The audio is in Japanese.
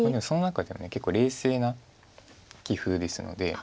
その中では結構冷静な棋風ですので。